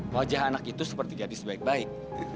wajah anak itu seperti gadis baik baik